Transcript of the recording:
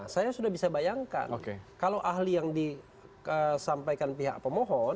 saya sudah bisa bayangkan kalau ahli yang disampaikan pihak pemohon